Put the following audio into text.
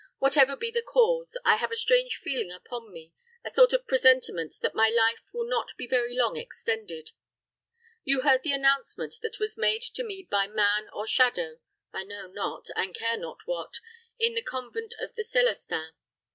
Whatever be the cause, I have a strange feeling upon me, a sort of presentiment that my life will not be very long extended. You heard the announcement that was made to me by man or shadow I know not, and care not what in the convent of the Celestins.